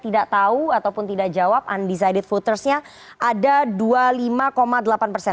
tidak tahu ataupun tidak jawab undecided votersnya ada dua puluh lima delapan persen